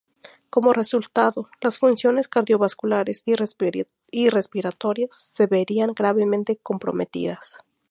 Como resultado, las funciones cardiovasculares y respiratorias, se verían gravemente comprometidas.